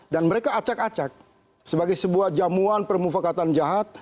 dan mereka acak acak sebagai sebuah jamuan permufakatan jahat